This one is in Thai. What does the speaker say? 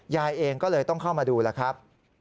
ยายเองก็เลยต้องเข้ามาดูแล้วครับ